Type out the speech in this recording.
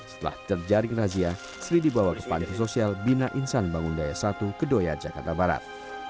setelah terjaring razia sri dibawa ke panti sosial bina insan bangun daya satu kedoya jakarta barat